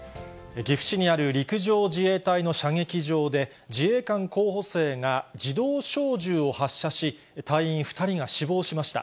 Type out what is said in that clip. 岐阜市にある陸上自衛隊の射撃場で、自衛官候補生が自動小銃を発射し、隊員２人が死亡しました。